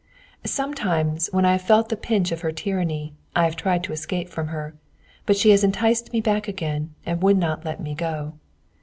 Sometimes, when I have felt the pinch of her tyranny, I have tried to escape from her; but she has enticed me back again and would not let me go.